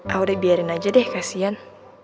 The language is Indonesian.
ayo deh biarin aja deh kasian